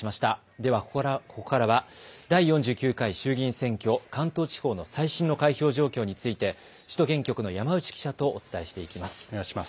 では、ここからは第４９回衆議院選挙、関東地方の最新の開票状況について首都圏局の山内記者とお伝えしていきます。